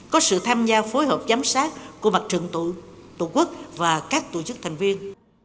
có sự tham gia phối hợp giám sát của mặt trận tổ quốc và các tổ chức thành viên